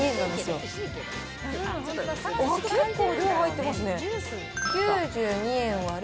うわっ、結構量入ってますね。